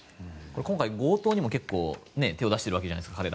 今回、強盗にも手を出しているわけじゃないですか